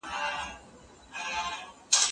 استاد وویل چي د مقالي بڼه دې سمه نه ده.